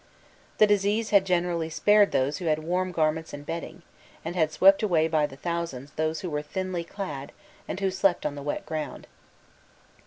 The disease had generally spared those who had warm garments and bedding, and had swept away by thousands those who were thinly clad and who slept on the wet ground.